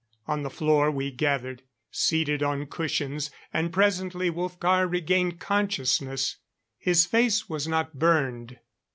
On the floor we gathered, seated on cushions; and presently Wolfgar regained consciousness. His face was not burned.